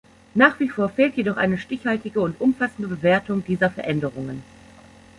Nach wie vor fehlt jedoch eine stichhaltige und umfassende Bewertung dieser Veränderungen.